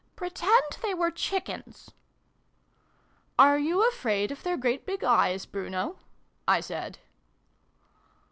Pretend they were Chickens !"" Are you afraid of their great big eyes, Bruno ?" I said.